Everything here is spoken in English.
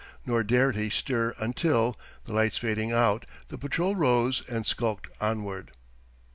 Nor dared he stir until, the lights fading out, the patrol rose and skulked onward.